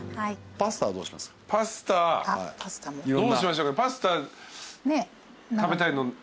パスタどうしましょうかパスタ食べたいのどれですか？